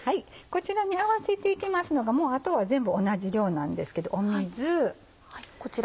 こちらに合わせていきますのがあとは全部同じ量なんですけど水。